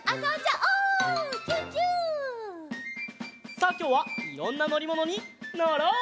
さあきょうはいろんなのりものにのろう！